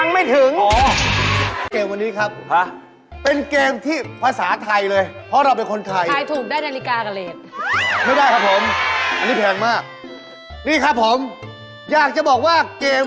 ให้เล่นปกติเป็นคนที่พูดชาดเฉียบทุกคนไหมก็พอได้